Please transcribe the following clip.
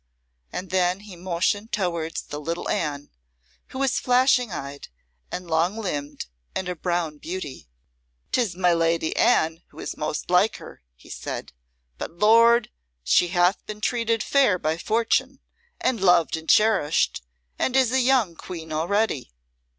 And then he motioned towards the little Anne, who was flashing eyed, and long limbed, and a brown beauty. "'Tis my Lady Anne who is most like her," he said; "but Lord! she hath been treated fair by Fortune, and loved and cherished, and is a young queen already."